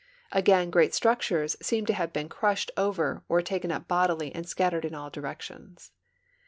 Again, great structures seemed to have been crushed over or taken up bodily and scattered in all directions.